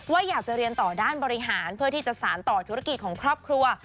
อยากจะเรียนต่อด้านบริหารเพื่อที่จะสารต่อธุรกิจของครอบครัว